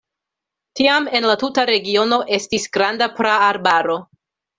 Tiam en la tuta regiono estis granda praarbaro.